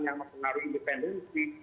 yang mengaruhi independensi